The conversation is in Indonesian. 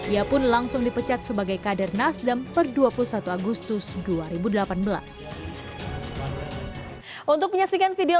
ia pun langsung dipecat sebagai kader nasdem per dua puluh satu agustus dua ribu delapan belas